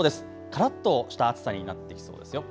からっとした暑さになってきそうですよ。